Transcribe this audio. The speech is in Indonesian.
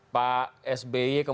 pak sby kemudian berkata